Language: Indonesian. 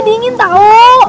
gue dingin tau